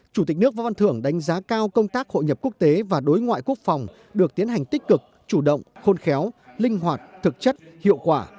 chủ tịch nước võ văn thưởng đánh giá cao công tác hội nhập quốc tế và đối ngoại quốc phòng được tiến hành tích cực chủ động khôn khéo linh hoạt thực chất hiệu quả